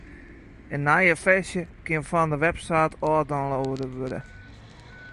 In nije ferzje kin fan de website ôf download wurde.